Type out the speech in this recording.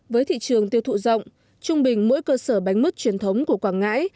với thị trường tiêu thụ rộng trung bình mỗi cơ sở bánh mứt truyền thống của quảng ngãi